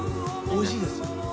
おいしいです。